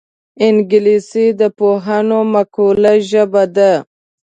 انګلیسي د پوهانو مقالو ژبه ده